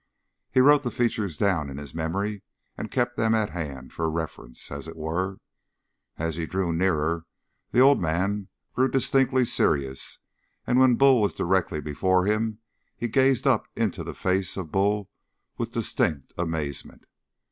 He wrote the features down in his memory and kept them at hand for reference, as it were. As he drew nearer, the old man grew distinctly serious, and when Bull was directly before him he gazed up into the face of Bull with distinct amazement.